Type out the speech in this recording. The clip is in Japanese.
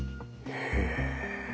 へえ。